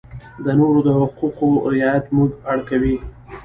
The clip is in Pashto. د نورو د حقوقو رعایت موږ اړ کوي.